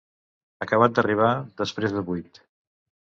Acabat d'arribar, després de buit.